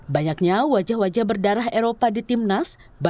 banyaknya wajah wajah berdarah eropa di timnas bahkan sempat mendapat sindiran